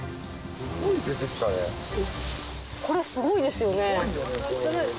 これすごいですよね。